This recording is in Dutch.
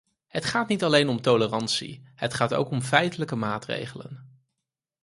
Het gaat niet alleen om tolerantie, het gaat ook om feitelijke maatregelen.